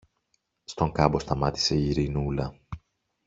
Στον κάμπο σταμάτησε η Ειρηνούλα.